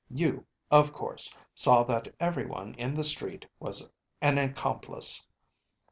You, of course, saw that everyone in the street was an accomplice.